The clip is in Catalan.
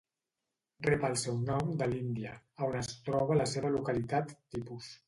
Rep el seu nom de l'Índia, a on es troba la seva localitat tipus.